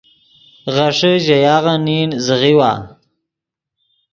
غیݰے ژے یاغے نین زیغیوا